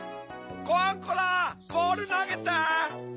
コアンコラボールなげて！